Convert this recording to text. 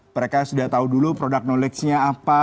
mereka sudah tahu dulu produk knowledge nya apa